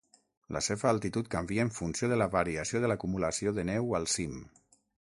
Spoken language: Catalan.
La seva altitud canvia en funció de la variació de l'acumulació de neu al cim.